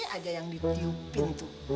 ada yang ditiupin tuh